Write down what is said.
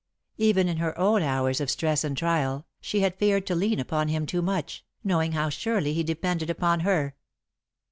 Even in her own hours of stress and trial, she had feared to lean upon him too much, knowing how surely he depended upon her.